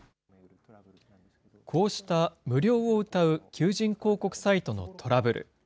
こうした無料をうたう求人広告サイトのトラブル。